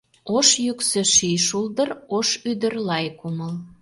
Ош йӱксӧ — ший шулдыр, Ош ӱдыр — лай кумыл.